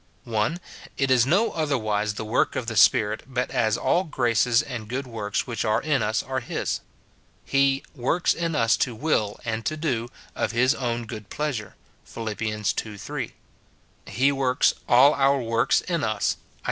[1.] It is no otherwise the work of the Spirit but as all graces and good works which are in us are his. He " works in us to will and to do of his own good pleasure," 15* 174 MORTIFICATION OP Phil. ii. 13; he works "all our works in ns," Isa.